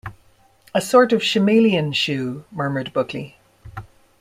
"A sort of chameleon shoe," murmured Buckley.